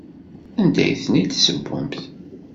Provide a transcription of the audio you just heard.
Anda ay ten-id-tessewwemt?